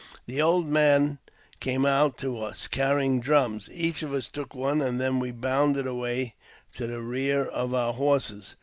The old men came out to us, carrying drums ; each of us took one, and then we bounded away to the rear of our horses.